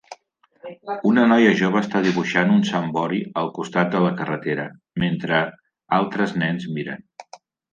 Una noia jove està dibuixant un sambori al costat de la carretera mentre altres nens miren